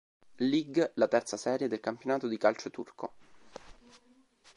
Lig, la terza serie del campionato di calcio turco.